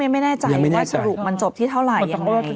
ยังไม่แน่ใจว่าสรุปมันจบที่เท่าไหร่ยังไง